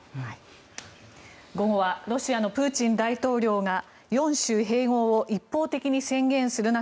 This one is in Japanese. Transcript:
午後はロシアのプーチン大統領が４州併合を一方的に宣言する中